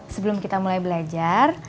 sebelum kita mulai belajar